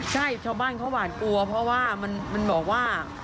ใช่ชาวบ้านเขาหวาดกลัวเพราะว่ามันบอกว่า